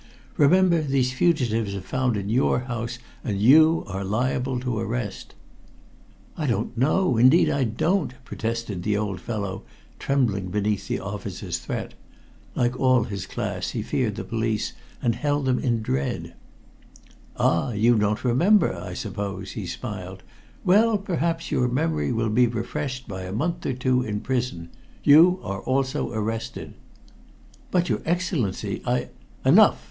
"Remember, these fugitives are found in your house, and you are liable to arrest." "I don't know indeed I don't!" protested the old fellow, trembling beneath the officer's threat. Like all his class, he feared the police, and held them in dread. "Ah, you don't remember, I suppose!" he smiled. "Well, perhaps your memory will be refreshed by a month or two in prison. You are also arrested." "But, your Excellency, I " "Enough!"